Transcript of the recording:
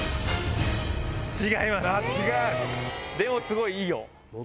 でもすごいいいよ。